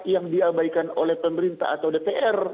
yang diabaikan oleh pemerintah atau dpr